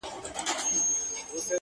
بويي تلم په توره شپه کي تر کهساره.!